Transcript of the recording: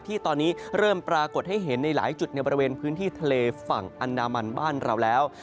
ที่ตอนนี้เริ่มปรากฏให้เห็นในหลายจุดในบริเวณพื้นที่ทะเลฝั่งอันดามันบ้านเราแล้ว